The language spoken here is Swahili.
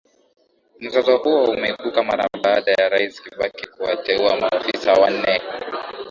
mzozo huo umeibuka mara baada ya rais kibaki kuwateuwa maofisa wanne